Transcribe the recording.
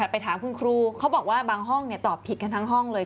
ไปถามคุณครูเขาบอกว่าบางห้องตอบผิดกันทั้งห้องเลย